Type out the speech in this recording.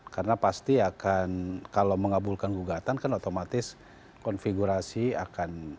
karena pasti akan kalau mengabulkan gugatan kan otomatis konfigurasi akan